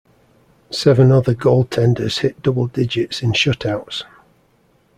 Seven other goaltenders hit double digits in shutouts.